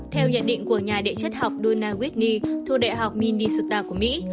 theo nhận định của nhà địa chất học duna whitney thu đệ học minnesota của mỹ